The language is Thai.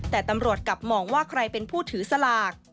แต่ตำรวจกลับมองว่าใครเป็นผู้ถือสลาก